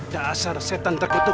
dasar setan terkutuk